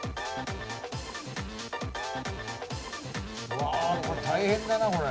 うわあこれ大変だなこれ。